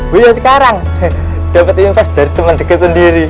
buya sekarang dapet invest dari teman ceket sendiri